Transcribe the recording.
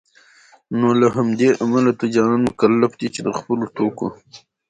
نوله همدې امله تجاران مکلف دی چي دخپلو توکو